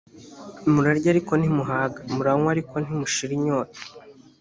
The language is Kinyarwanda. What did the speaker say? murarya ariko ntimuhaga muranywa ariko ntimushira inyota